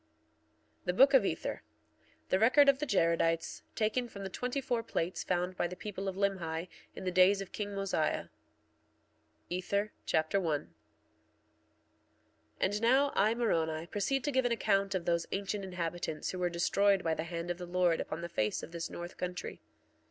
THE BOOK OF ETHER The record of the Jaredites, taken from the twenty four plates found by the people of Limhi in the days of king Mosiah. Ether Chapter 1 1:1 And now I, Moroni, proceed to give an account of those ancient inhabitants who were destroyed by the hand of the Lord upon the face of this north country.